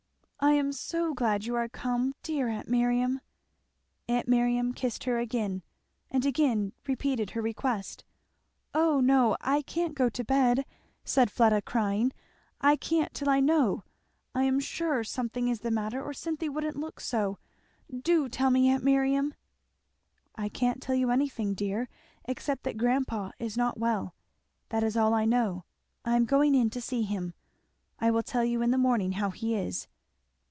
"I am so glad you are come, dear aunt Miriam!" Aunt Miriam kissed her again, and again repeated her request. "O no I can't go to bed," said Fleda crying; "I can't till I know I am sure something is the matter, or Cynthy wouldn't look so. Do tell me, aunt Miriam!" "I can't tell you anything, dear, except that grandpa is not well that is all I know I am going in to see him. I will tell you in the morning how he is."